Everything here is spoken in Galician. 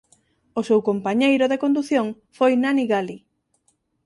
O seu compañeiro de condución foi Nanni Galli.